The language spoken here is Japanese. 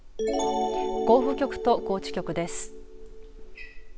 甲府局と高知局です。